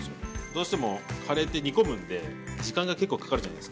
どうしてもカレーって煮込むんで時間が結構かかるじゃないですか。